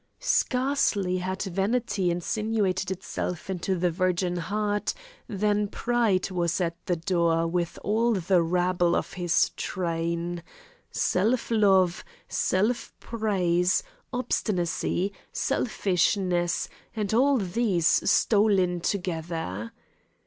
Scarcely had vanity insinuated itself into the virgin heart, than pride was at the door with all the rabble of his train, self love, self praise, obstinacy, selfishness, and all these stole in together.